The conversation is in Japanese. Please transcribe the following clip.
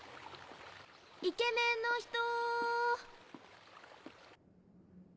イケメンの人！